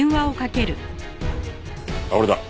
あっ俺だ。